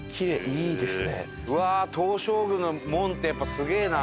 うわー東照宮の門ってやっぱすげえな！